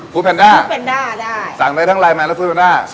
ฟุตแพนด้าสั่งได้ทั้งไลน์แมนและฟุตแพนด้า